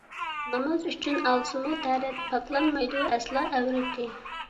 ناماز ئۈچۈن ئالسىمۇ تەرەت، پاكلانمايدۇ ئەسلا ئەۋرىتى.